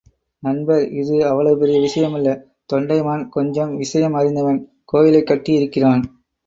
நண்பர், இது அவ்வளவு பெரிய விஷயமல்ல தொண்டைமான், கொஞ்சம் விஷயம் அறிந்தவன் கோயிலைக் கட்டி இருக்கிறான்.